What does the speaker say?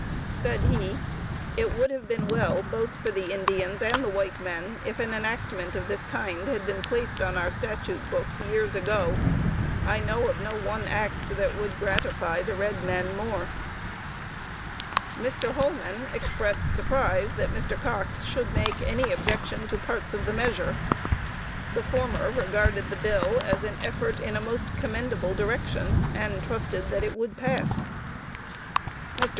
Said he, "It would have been well both for the Indians and the white men if an enactment of this kind had been placed on our statute books years ago. I know of no one act that would gratify the red men more." Mr. Holman expressed surprise that Mr. Cox should make any objection to parts of the measure. The former regarded the bill as "an effort in a most commendable direction," and trusted that it would pass. Mr.